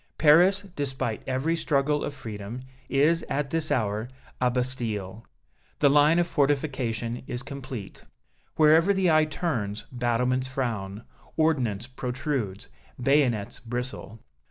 Paris, despite every struggle of freedom, is, at this hour, a Bastille. The line of fortification is complete. Wherever the eye turns battlements frown, ordnance protrudes, bayonets bristle.